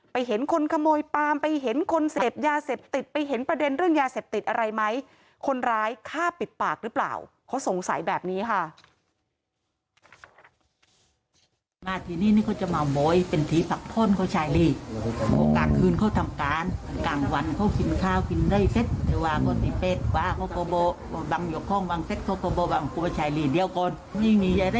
ไปเห็นคนขโมยปามไปเห็นคนเสพยาเสพติดไปเห็นประเด็นเรื่องยาเสพติดอะไรไหม